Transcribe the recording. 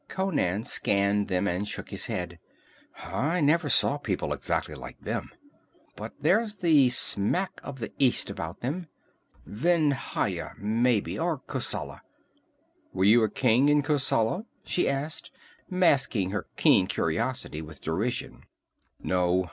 Conan scanned them and shook his head. "I never saw people exactly like them. But there's the smack of the East about them Vendhya, maybe, or Kosala." "Were you a king in Kosala?" she asked, masking her keen curiosity with derision. "No.